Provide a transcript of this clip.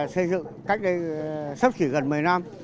xây dựng cách đây sắp chỉ gần một mươi năm